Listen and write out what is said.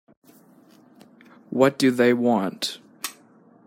What do they want?